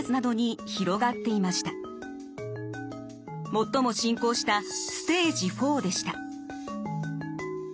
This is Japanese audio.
最も進行したステージ４でした。